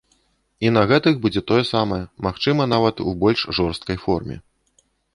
І на гэтых будзе тое самае, магчыма, нават у больш жорсткай форме.